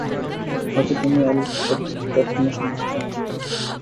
হয়তো তুমি Al Capone সম্পর্কে শুনেছ?